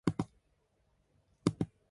Matthews was born in Lindsay, Ontario.